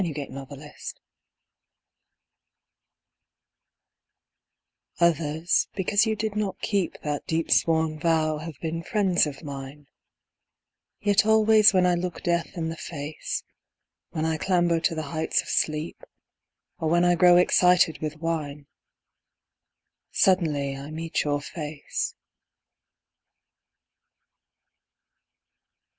A DEEP SWORN VOW Others because you did not keep That deep sworn vow have been friends of mine; Yet always when I look death in the face, When I clamber to the heights of sleep, Or when I grow excited with wine, Suddenly I meet your face.